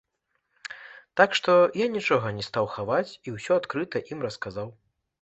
Так што я нічога не стаў хаваць і ўсё адкрыта ім расказаў.